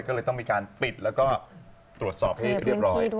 ก็เลยต้องมีการปิดและตรวจสอบให้ดีออร่อย